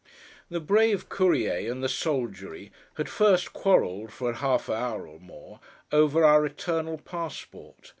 The brave Courier and the soldiery had first quarrelled, for half an hour or more, over our eternal passport.